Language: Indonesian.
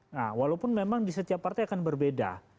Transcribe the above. nah walaupun memang di setiap partai akan berbeda